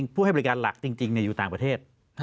ให้บริการหลักจริงอยู่ต่างประเทศ